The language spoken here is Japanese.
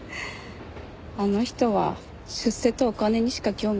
あの人は出世とお金にしか興味ないですよ。